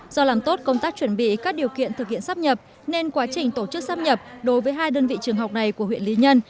do làm tốt công tác chuẩn bị các điều kiện thực hiện sắp nhập nên quá trình tổ chức sắp nhập đối với hai đơn vị trường học này của huyện lý nhân